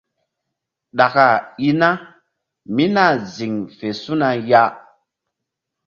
Ɗaka i na mí nah ziŋ fe su̧na ya.